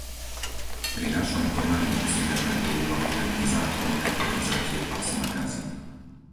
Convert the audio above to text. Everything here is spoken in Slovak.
Pri našom konaní musíme brať do úvahy aj nezákonné prevzatie pásma Gazy.